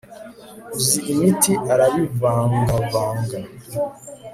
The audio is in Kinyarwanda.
uzi imiti arabivangavanga